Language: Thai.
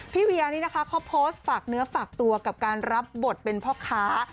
เวียนี่นะคะเขาโพสต์ฝากเนื้อฝากตัวกับการรับบทเป็นพ่อค้า